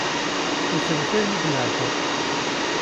Nessers ayen id-nɛebba.